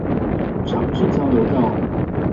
長治交流道